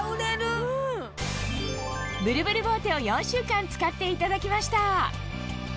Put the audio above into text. ブルブルボーテを４週間使っていただきました